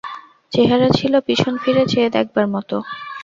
চেহারা ছিল পিছন ফিরে চেয়ে দেখবার মতো।